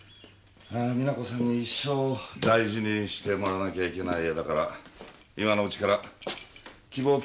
実那子さんに一生大事にしてもらわなきゃいけない絵だから今のうちから希望を聞きましょう。